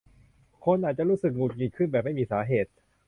คนอาจจะรู้สึกหงุดหงิดขึ้นมาแบบไม่มีสาเหตุ